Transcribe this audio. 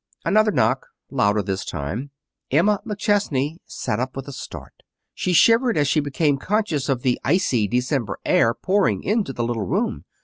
Another knock, louder this time. Emma McChesney sat up with a start. She shivered as she became conscious of the icy December air pouring into the little room.